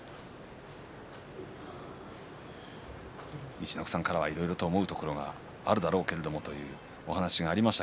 陸奥さんはいろいろ思うところがあるだろうけれどもというお話がありました。